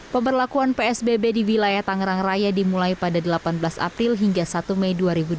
pemberlakuan psbb di wilayah tangerang raya dimulai pada delapan belas april hingga satu mei dua ribu dua puluh